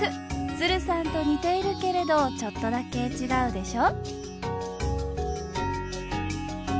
つるさんと似ているけれどちょっとだけ違うでしょ。